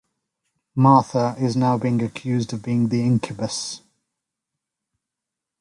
Martha is now being accused of being the incubus.